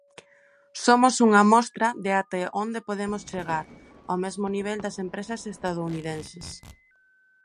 Somos unha mostra de até onde podemos chegar, ao mesmo nivel das empresas estadounidenses.